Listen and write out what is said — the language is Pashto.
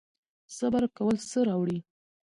صبر کول څه راوړي؟